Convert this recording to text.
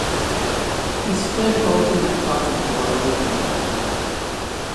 He stood holding the closet door open.